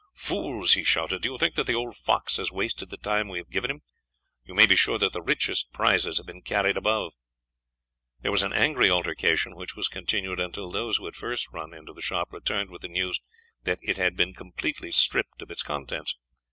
"Fools!" he shouted, "do you think that the old fox has wasted the time we have given him? You may be sure that the richest prizes have been carried above." There was an angry altercation, which was continued until those who had first run into the shop returned with the news that it had been completely stripped of its contents.